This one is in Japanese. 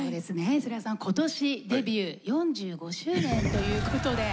世良さん今年デビュー４５周年ということで。